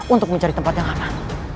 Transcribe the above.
untuk mencari tempat yang aman